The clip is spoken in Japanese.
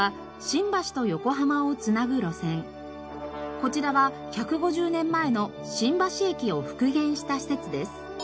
こちらは１５０年前の新橋駅を復元した施設です。